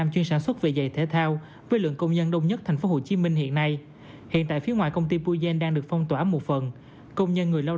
chứ chưa có ghi nhận tình cảm là lây nhiễm thực tế tại công ty